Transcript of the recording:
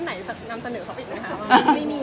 เดี๋ยวลูกก็ไปโรงเรียน